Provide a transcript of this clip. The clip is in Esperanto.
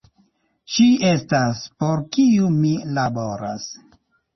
Ŝi estas, por kiu mi laboras.